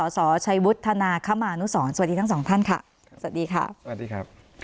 สชัยวุฒนาคมานุสรสวัสดีทั้งสองท่านค่ะสวัสดีค่ะสวัสดีครับ